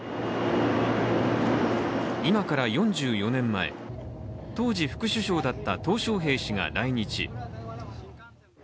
今から４４年前、当時副首相だったトウ小平氏が来日。